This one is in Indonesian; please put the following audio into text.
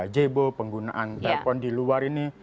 jebo penggunaan telpon di luar ini